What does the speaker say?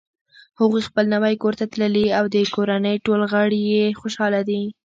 هغوی خپل نوی کور ته تللي او د کورنۍ ټول غړ یی خوشحاله دي